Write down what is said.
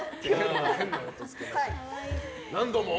何度も？